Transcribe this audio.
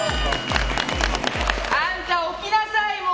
あんた、起きなさいもう！